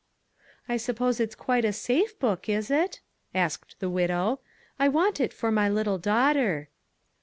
"I suppose it's quite a safe book, is it?" asked the widow. "I want it for my little daughter."